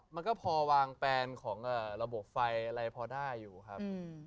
มันก็พอวางแปลนของระบบไฟอะไรพอได้อยู่ครับ